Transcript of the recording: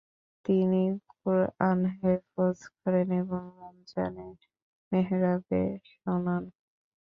তিনি কুরআন হেফজ করেন এবং রমজানে মেহরাবে শােনান।